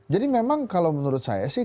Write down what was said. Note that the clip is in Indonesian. memang kalau menurut saya sih